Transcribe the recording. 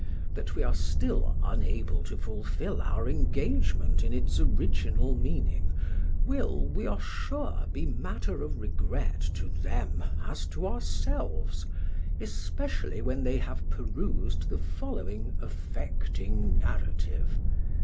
That we are still unable to fulfil our engagement in its original meaning will, we, are sure, be matter of regret to them as to ourselves, especially when they have perused the following affecting narrative.